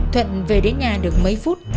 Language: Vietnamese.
thuận về đến nhà được mấy phút